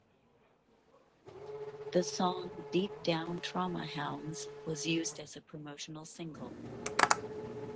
The song "Deep Down Trauma Hounds" was used as a promotional single.